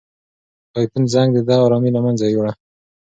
د آیفون زنګ د ده ارامي له منځه یووړه.